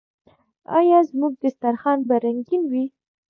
آیا زموږ دسترخان به رنګین وي؟